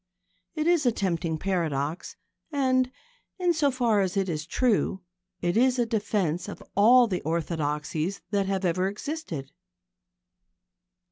It is a tempting paradox, and, in so far as it is true, it is a defence of all the orthodoxies that have ever existed.